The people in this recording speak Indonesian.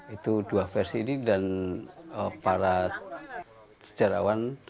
itu dua versi ini dan para sejarawan